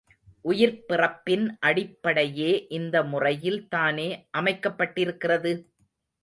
உயிர்ப் பிறப்பின் அடிப்படையே இந்த முறையில் தானே அமைக்கப்பட்டிருக்கிறது?